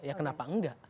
ya kenapa enggak